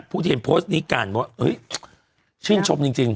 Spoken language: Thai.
ผู้ที่เห็นโพสต์นี้ก่อนเฮ้ยชื่นชมจริง